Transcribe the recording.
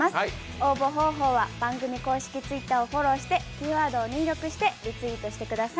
応募方法は番組公式Ｔｗｉｔｔｅｒをフォローしてキーワードを入力してリツイートしてください。